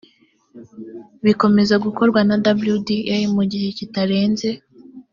bikomeza gukorwa na wda mu gihe kitarenze